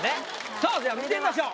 さあでは見てみましょう。